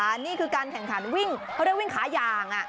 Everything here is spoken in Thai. อันนี้คือการแข่งขันวิ่งเขาเรียกวิ่งขายาง